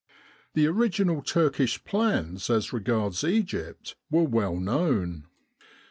The original Turkish plans as regards Egypt were well known.